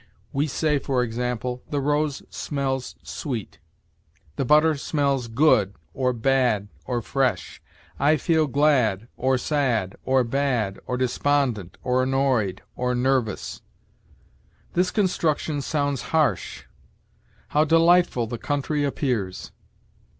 We say, for example, "The rose smells sweet"; "The butter smells good, or bad, or fresh"; "I feel glad, or sad, or bad, or despondent, or annoyed, or nervous"; "This construction sounds harsh"; "How delightful the country appears!"